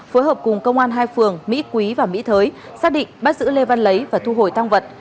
phối hợp cùng công an hai phường mỹ quý và mỹ thới xác định bắt giữ lê văn lấy và thu hồi tăng vật